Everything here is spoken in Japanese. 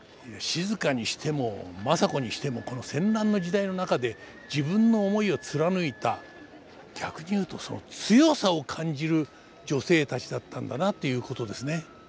静にしても政子にしてもこの戦乱の時代の中で自分の思いを貫いた逆に言うとその強さを感じる女性たちだったんだなっていうことですね。